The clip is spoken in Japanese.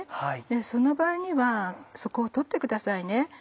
その場合にはそこを取ってください。